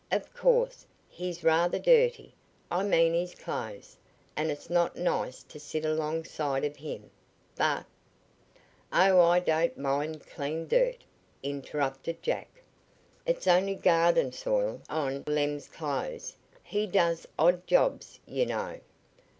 Of course, he's rather dirty I mean his clothes and it's not nice to sit alongside of him, but " "Oh, I don't mind clean dirt," interrupted Jack. "It's only garden soil on Lem's clothes. He does odd jobs, you know."